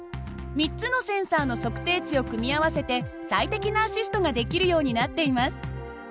３つのセンサーの測定値を組み合わせて最適なアシストができるようになっています。